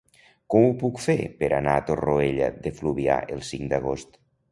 Com ho puc fer per anar a Torroella de Fluvià el cinc d'agost?